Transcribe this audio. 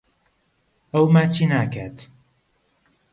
ئەو ماچی ناکات.